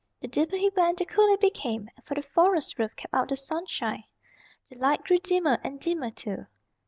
The deeper he went the cooler it became, for the forest roof kept out the sunshine. The light grew dimmer and dimmer too.